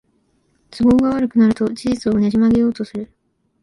都合が悪くなると事実をねじ曲げようとする